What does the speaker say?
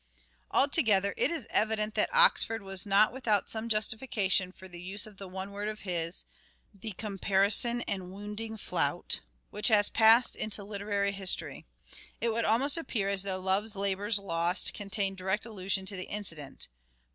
Altogether, it is evident that Oxford was not without some justification for the use of the one word of his, " the comparison and wounding flout," joo " SHAKESPEARE " IDENTIFIED which has passed into literary history. It would almost appear as though " Love's Labour's Lost " contained a direct allusion to the incident.